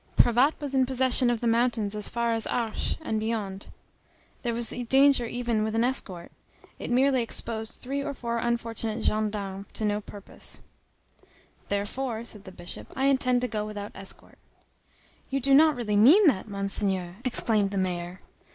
Cravatte was in possession of the mountains as far as Arche, and beyond; there was danger even with an escort; it merely exposed three or four unfortunate gendarmes to no purpose. "Therefore," said the Bishop, "I intend to go without escort." "You do not really mean that, Monseigneur!" exclaimed the mayor.